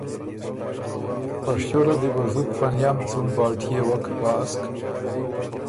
په شیو له دی بُو زُت په نئم څُون بالټيې وک ګاسک۔